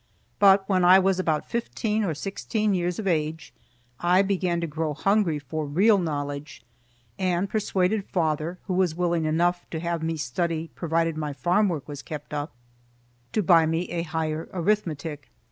But when I was about fifteen or sixteen years of age, I began to grow hungry for real knowledge, and persuaded father, who was willing enough to have me study provided my farm work was kept up, to buy me a higher arithmetic.